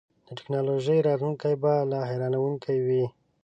د ټیکنالوژۍ راتلونکی به لا حیرانوونکی وي.